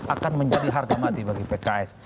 akan menjadi harga mati bagi pks